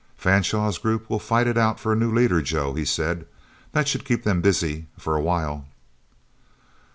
"Fanshaw's groups will fight it out for a new leader, Joe," he said. "That should keep them busy, for a while..."